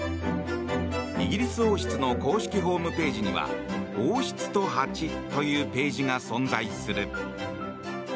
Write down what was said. イギリス王室の公式ホームページには王室とハチというページが存在する。